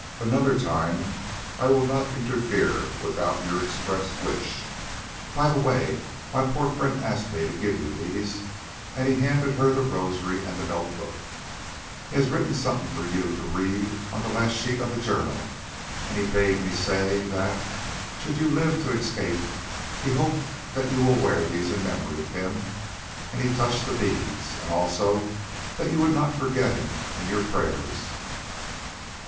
"Another time I will not interfere without your express wish. By the way, my poor friend asked me to give you these," and he handed her the rosary and the notebook; "he has written something for you to read on the last sheet of the journal, and he bade me say that, should you live to escape, he hoped that you will wear these in memory of him," and he touched the beads, "and also that you would not forget him in your prayers."